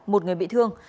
một người bị thương